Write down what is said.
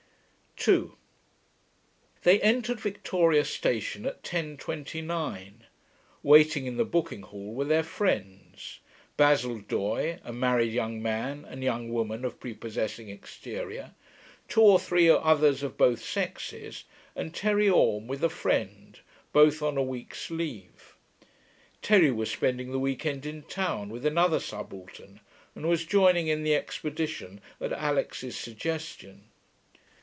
2 They entered Victoria Station at 10.29. Waiting in the booking hall were their friends: Basil Doye, a married young man and young woman of prepossessing exterior, two or three others of both sexes, and Terry Orme with a friend, both on a week's leave. Terry was spending the week end in town, with another subaltern, and was joining in the expedition at Alix's suggestion.